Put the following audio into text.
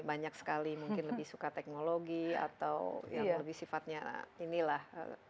banyak sekali mungkin lebih suka teknologi atau yang lebih sifatnya inilah